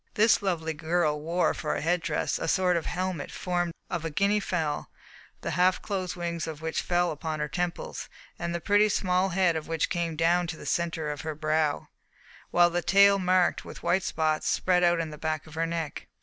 This lovely girl wore for head dress a sort of helmet formed of a Guinea fowl, the half closed wings of which fell upon her temples, and the pretty, small head of which came down to the centre of her brow, while the tail, marked with white spots, spread out on the back of her neck.